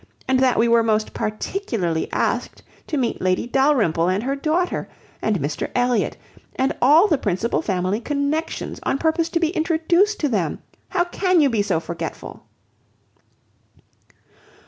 and that we were most particularly asked to meet Lady Dalrymple and her daughter, and Mr Elliot, and all the principal family connexions, on purpose to be introduced to them? How can you be so forgetful?"